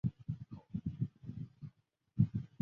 一直延续至汉朝初年。